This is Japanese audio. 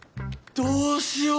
どうしよう。